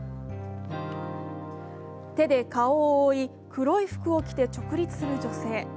手で顔を覆い、黒い服を着て直立する女性。